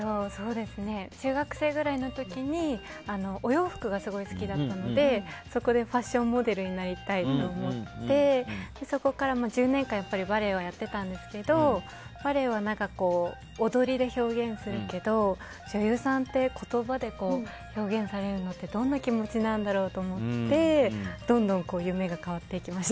中学生ぐらいの時にお洋服がすごい好きだったのでそこでファッションモデルになりたいと思ってそこから、１０年間バレエはやってたんですけどバレエは、踊りで表現するけど女優さんって言葉で表現されるのってどんな気持ちなんだろうと思ってどんどん夢が変わっていきました。